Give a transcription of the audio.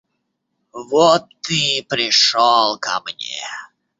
Вот ты и пришел ко мне.